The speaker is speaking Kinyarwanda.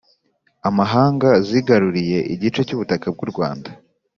amahanga zigaruriye igice cy'ubutaka bw'u rwanda